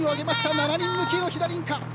７人抜きの飛田凛香。